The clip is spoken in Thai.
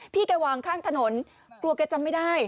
แกวางข้างถนนกลัวแกจำไม่ได้